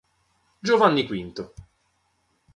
Giovanni V